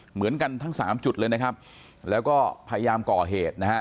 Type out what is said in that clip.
เหมือนกันทั้งสามจุดเลยนะครับแล้วก็พยายามก่อเหตุนะฮะ